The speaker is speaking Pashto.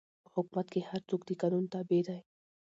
په حکومت کښي هر څوک د قانون تابع دئ.